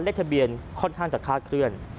เลขทะเบียนค่อนข้างจะคาดเคลื่อน